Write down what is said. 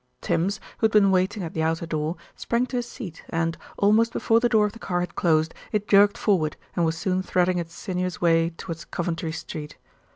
Tims, who had been waiting at the outer door, sprang to his seat and, almost before the door of the car had closed, it jerked forward and was soon threading its sinuous way towards Coventry Street.